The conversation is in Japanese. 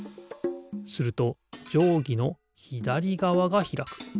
するとじょうぎのひだりがわがひらく。